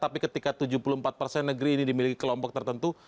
tapi ketika tujuh puluh empat persen negeri ini dimiliki kelompok tertentu